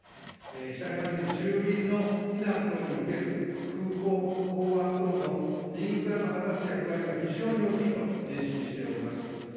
したがいまして、住民の避難等における空港、港湾等のインフラの果たす役割は非常に大きいと認識しております。